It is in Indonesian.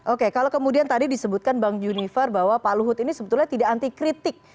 oke kalau kemudian tadi disebutkan bang junifer bahwa pak luhut ini sebetulnya tidak anti kritik